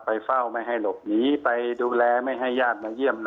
เฝ้าไม่ให้หลบหนีไปดูแลไม่ให้ญาติมาเยี่ยม